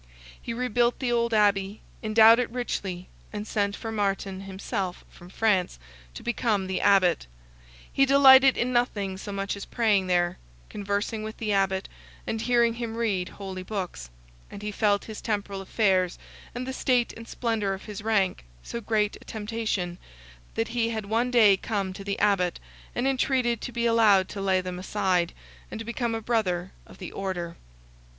He rebuilt the old Abbey, endowed it richly, and sent for Martin himself from France, to become the Abbot; he delighted in nothing so much as praying there, conversing with the Abbot, and hearing him read holy books; and he felt his temporal affairs, and the state and splendour of his rank, so great a temptation, that he had one day come to the Abbot, and entreated to be allowed to lay them aside, and become a brother of the order.